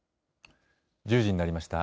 １０時になりました。